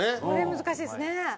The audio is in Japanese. これ難しいですね。